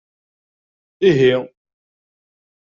Ihi?